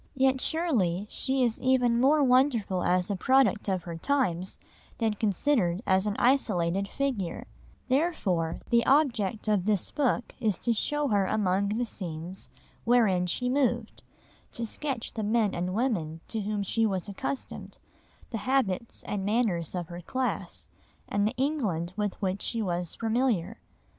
Yet surely she is even more wonderful as a product of her times than considered as an isolated figure; therefore the object of this book is to show her among the scenes wherein she moved, to sketch the men and women to whom she was accustomed, the habits and manners of her class, and the England with which she was familiar.